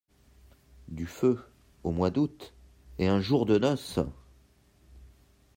Du feu… au mois d’août… et un jour de noces !